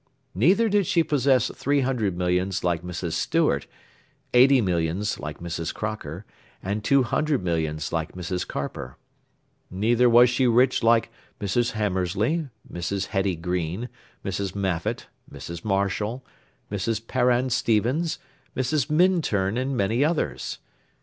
Neither did she possess three hundred millions like Mrs. Stewart, eighty millions like Mrs. Crocker, and two hundred millions like Mrs. Carper. Neither was she rich like Mrs. Hamersley, Mrs. Hetty Green, Mrs. Mafitt, Mrs. Marshall, Mrs. Paran Stevens, Mrs. Minturn, and many others.